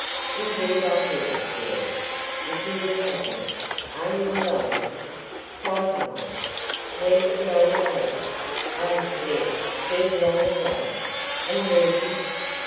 "Indeed I will, dearest, if you will have me. Are you alone?" "Quite alone." "Where's the old lady?" "Oh, dead dead long ago." "And Ruby?"